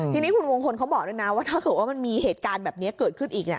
ทีนี้คุณมงคลเขาบอกด้วยนะว่าถ้าเกิดว่ามันมีเหตุการณ์แบบนี้เกิดขึ้นอีก